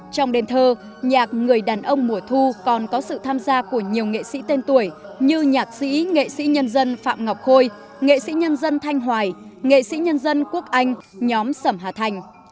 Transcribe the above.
trong đền thơ nhạc người đàn ông mùa thu còn có sự tham gia của nhiều nghệ sĩ tên tuổi như nhạc sĩ nghệ sĩ nhân dân phạm ngọc khôi nghệ sĩ nhân dân thanh hoài nghệ sĩ nhân dân quốc anh nhóm sẩm hà thành